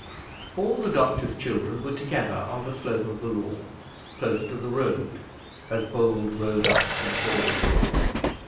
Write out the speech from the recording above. All the doctor's children were together on the slope of the lawn, close to the road, as Bold rode up to the hall door.